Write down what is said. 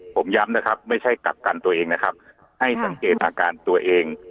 ผมย้ำนะครับไม่ใช่กักกันตัวเองนะครับให้สังเกตอาการตัวเอง